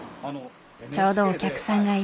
ちょうどお客さんがいる。